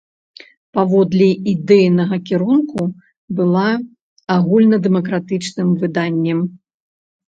Паводле ідэйнага кірунку была агульнадэмакратычным выданнем.